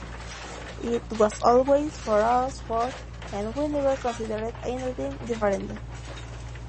It was always, for us, fur, and we never considered anything different.